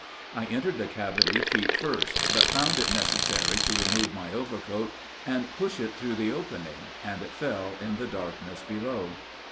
I entered the cavity feet first, but found it necessary to remove my overcoat and push it through the opening, and it fell in the darkness below.